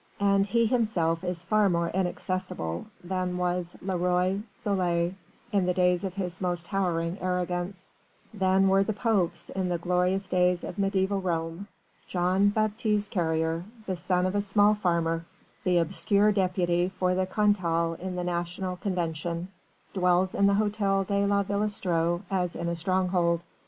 And he himself is far more inaccessible than was le Roi Soleil in the days of his most towering arrogance, than were the Popes in the glorious days of mediæval Rome. Jean Baptiste Carrier, the son of a small farmer, the obscure deputy for Cantal in the National Convention, dwells in the Hôtel de la Villestreux as in a stronghold.